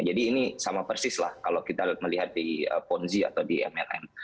jadi ini sama persis lah kalau kita melihat di ponzi atau di mlm